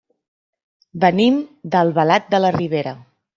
Venim d'Albalat de la Ribera.